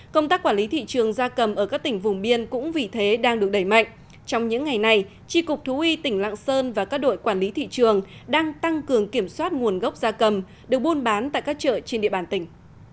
công tác quản lý thị trường da cầm ở các tỉnh vùng biên cũng vì thế đang được đẩy mạnh trong những ngày này tri cục thú y tỉnh lạng sơn và các đội quản lý thị trường đang tăng cường kiểm soát nguồn gốc gia cầm được buôn bán tại các chợ trên địa bàn tỉnh